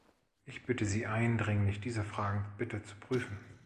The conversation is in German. Ich bitte Sie eindringlich, diese Fragen bitte zu prüfen.